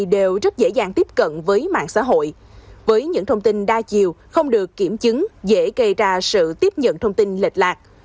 dễ gây ra sự tiếp nhận thông tin lệch lạc